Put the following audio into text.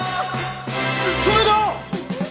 それだ！